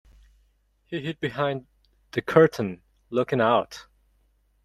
He hid behind the curtain, looking out.